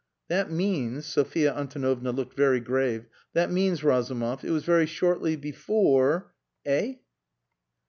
"That means," Sophia Antonovna looked very grave, "that means, Razumov, it was very shortly before eh?"